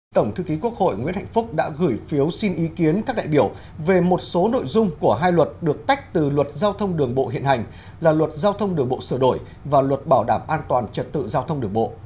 tổng thư ký quốc hội nguyễn hạnh phúc đã gửi phiếu xin ý kiến các đại biểu về một số nội dung của hai luật được tách từ luật giao thông đường bộ hiện hành là luật giao thông đường bộ sửa đổi và luật bảo đảm an toàn trật tự giao thông đường bộ